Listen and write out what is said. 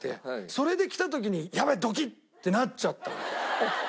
それできた時に「やばい！ドキッ！」ってなっちゃったわけ。